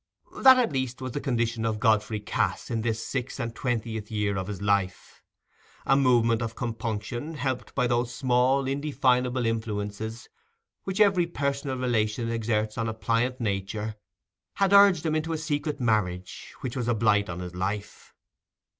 That, at least, was the condition of Godfrey Cass in this six and twentieth year of his life. A movement of compunction, helped by those small indefinable influences which every personal relation exerts on a pliant nature, had urged him into a secret marriage, which was a blight on his life.